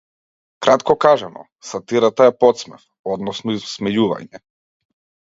Кратко кажано, сатирата е потсмев, односно исмејување.